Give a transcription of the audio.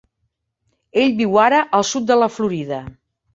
Ell viu ara al Sud de la Florida.